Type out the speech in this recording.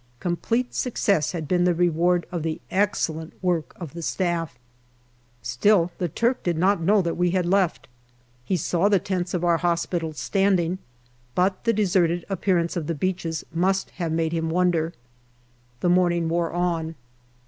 Complete success had been the reward of the excellent work of the Staff. Still the Turk did not know that we had left. He saw the tents of our hospitals standing, but the deserted appear ance of the beaches must have made him wonder. The morning wore on.